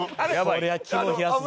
これは肝冷やすぞ。